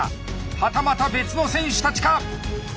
はたまた別の選手たちか。